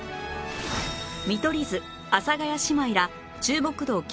見取り図阿佐ヶ谷姉妹ら注目度